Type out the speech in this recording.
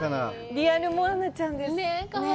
リアルモアナちゃんです。